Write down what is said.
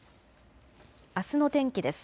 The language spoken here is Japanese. あすの天気です。